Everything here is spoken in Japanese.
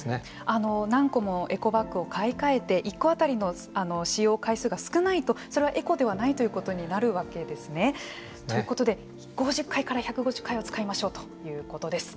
あの何個もエコバッグを買い替えて１個当たりの使用回数が少ないとそれはエコではないということになるわけですね。ということで５０回から１５０回を使いましょうということです。